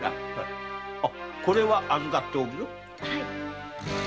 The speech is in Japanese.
これは預かっておくぞ。